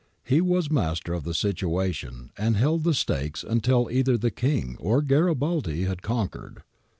He was master of the situation and held the stakes until either the King or Garibaldi had conquered.